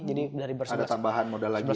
ada tambahan modal lagi ya